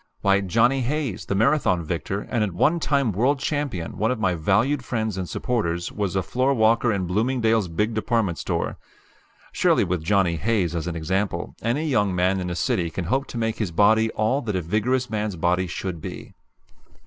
Why, Johnny Hayes, the Marathon victor, and at one time world champion, one of my valued friends and supporters, was a floor walker in Bloomingdale's big department store. Surely with Johnny Hayes as an example, any young man in a city can hope to make his body all that a vigorous man's body should be.